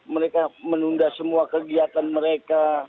mereka menunda semua kegiatan mereka